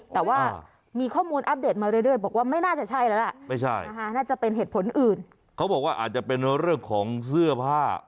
แต่ว่ามีข้อมูลอัปเดตมาเรื่อยบอกว่าไม่น่าจะใช่อง่ะ